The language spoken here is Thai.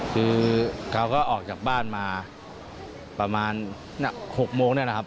คือเขาก็ออกจากบ้านมาประมาณ๖โมงนี่แหละครับ